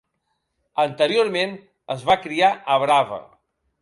Anteriorment es va criar a Brava.